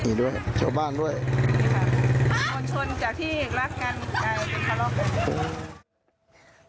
นี่ด้วยเจ้าบ้านด้วยนี่ค่ะคนชนจากที่รักงานกลายเป็น